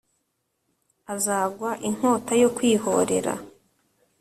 azagwa inkota yo kwihorera.